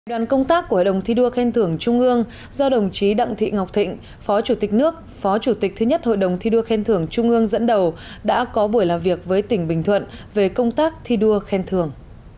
đoàn công tác của hội đồng thi đua khen thưởng trung ương do đồng chí đặng thị ngọc thịnh phó chủ tịch nước phó chủ tịch thứ nhất hội đồng thi đua khen thưởng trung ương dẫn đầu đã có buổi làm việc với tỉnh bình thuận về công tác thi đua khen thưởng